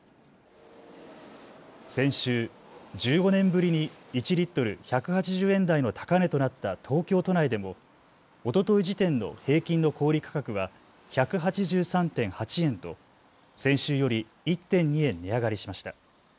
先週、１５年ぶりに１リットル１８０円台の高値となった東京都内でもおととい時点の平均の小売価格は１８３．８円と先週より１．２円、値上がりしました。